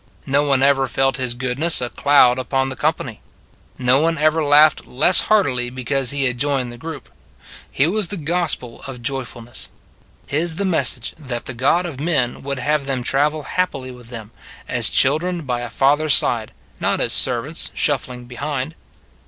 No one ever felt His goodness a cloud upon the company. No one ever laughed less heartily because He had joined the group. His was the gospel of joyfulness; His the message that the God of men would have them travel happily with Him, as children by a Father s side, not as servants shuffling behind.